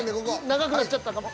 長くなっちゃったかも。